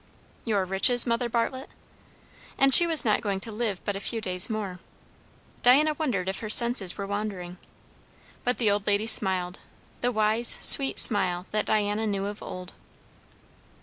"Your riches, Mother Bartlett?" And she was not going to live but a few days more. Diana wondered if her senses were wandering. But the old lady smiled; the wise, sweet smile that Diana knew of old.